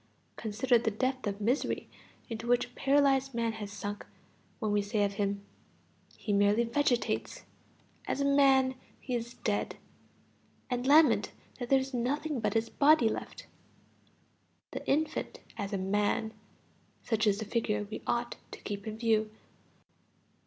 Consider the depth of misery into which a paralyzed man has sunk when we say of him: "He merely vegetates; as a man, he is dead," and lament that there is nothing but his body left. The infant as a man such is the figure we ought to keep in view.